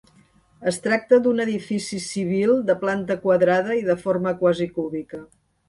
Es tracta d'un edifici civil de planta quadrada i de forma quasi cúbica.